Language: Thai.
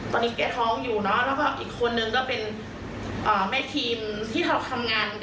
ตอนนี้แกะท้องอยู่เนอะแล้วก็อีกคนนึงก็เป็นแม่ทีมที่เราทำงานกันออนไลน์ค่ะ